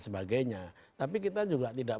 sebagainya tapi kita juga tidak